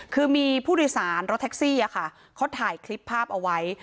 คือมีผู้โดยสารรถแท็กซี่เขาถ่ายคลิปภาพเอาไว้